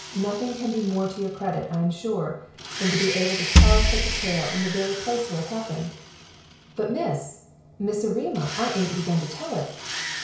Nothing can be more to your credit, I am sure, than to be able to tell such a tale in the very place where it happened." "But, Miss Miss Erma, I ain't begun to tell it."